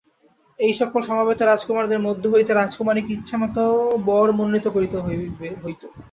এই সকল সমবেত রাজকুমারদের মধ্য হইতে রাজকুমারীকে ইচ্ছামত বর মনোনীত করিতে হইত।